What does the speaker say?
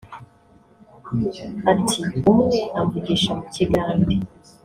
Ati “Umwe amvugisha mu Kigande